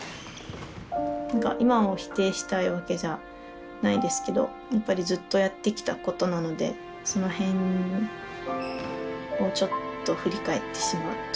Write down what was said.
なんか今を否定したいわけじゃないですけどやっぱりずっとやってきたことなのでその辺をちょっと振り返ってしまう時が時折。